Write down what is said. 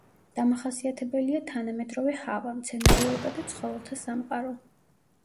დამახასიათებელია თანამედროვე ჰავა, მცენარეულობა და ცხოველთა სამყარო.